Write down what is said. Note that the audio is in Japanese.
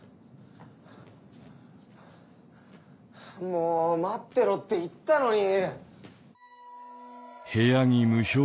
もう待ってろって言ったのに！